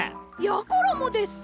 やころもです！